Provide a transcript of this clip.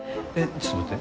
ちょっと待って。